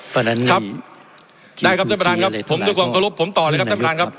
ตอนนั้นครับได้ครับท่านประธานครับผมด้วยความเคารพผมต่อเลยครับท่านประธานครับ